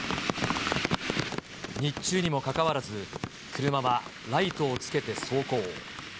日中にもかかわらず、車はライトをつけて走行。